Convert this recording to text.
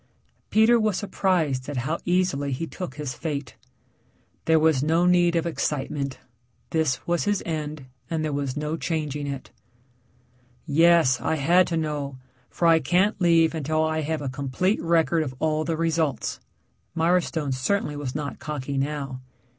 Peter was surprised at how easily he took his fate. There was no need of excitement this was his end and there was no changing it. "Yes, I had to know, for I can't leave until I have a complete record of all the results." Mirestone certainly was not cocky now.